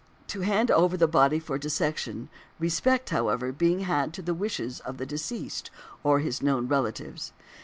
to hand over the body for dissection (respect, however, being had to |151| the wishes of the deceased or his known relatives).